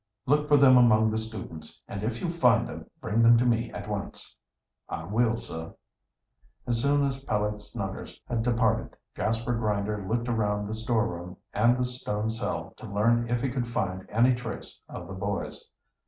"Look for them among the students, and if you find them bring them to me at once." "I will, sir." As soon as Peleg Snuggers had departed Jasper Grinder looked around the storeroom and the stone cell to learn if he could find any trace of the boys.